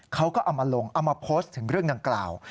เขาก็เอามาลงเอามาโพสต์ถึงเรื่องดังกล่าว